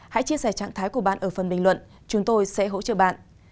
hãy chia sẻ trạng thái của bạn ở phần bình luận chúng tôi sẽ hỗ trợ bạn